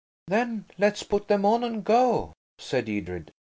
"Then let's put them on and go," said Edred.